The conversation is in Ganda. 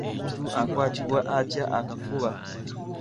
Omuntu akwatibwa atya akafuba?